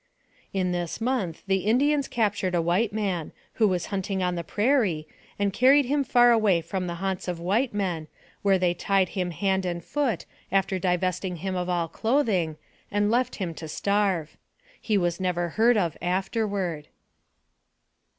In this month the Indians captured a white man, who was hunting on the prairie, and carried him far away from the haunts of white men, where they tied AMONG THE SIOUX INDIANS. 135 him band and foot, after divesting him of all clothing, and left him to starve. He was never heard of after ward.